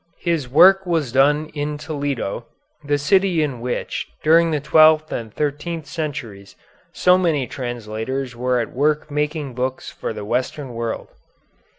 His work was done in Toledo, the city in which, during the twelfth and thirteenth centuries, so many translators were at work making books for the Western world.